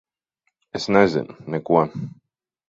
Es nezinu. Neko.